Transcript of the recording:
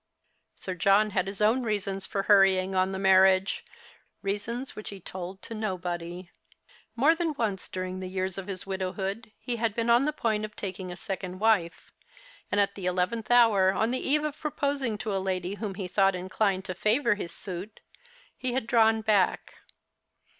Sir John had his own reasons for hurrying on the marriage, reasons which he told to nobody. More than once during the years of his widowhood he had been on the point of taking a second wife, and at the eleventh hour, on the eve of proposing to a lady whom he thought inclined to favour his suit, he had drawn back.